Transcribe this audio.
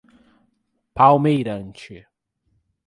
Palmeirante